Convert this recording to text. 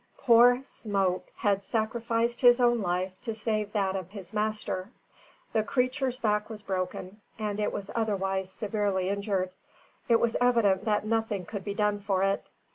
Poor Smoke had sacrificed his own life to save that of his master. The creature's back was broken, and it was otherwise severely injured. It was evident that nothing could be done for it.